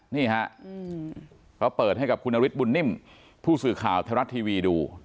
นี่ฮะเขาเปิดให้กับคุณนฤทธบุญนิ่มผู้สื่อข่าวไทยรัฐทีวีดู